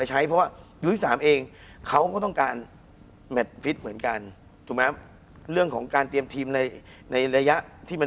คุณผู้ชมบางท่าอาจจะไม่เข้าใจที่พิเตียร์สาร